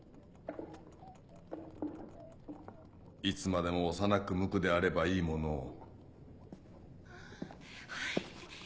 いつまでも幼く無垢であればいいものを。